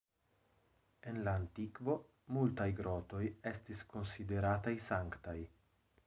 En la antikvo multaj grotoj estis konsiderataj sanktaj.